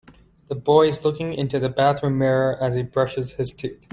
The boy is looking into the bathroom mirror as he brushes his teeth.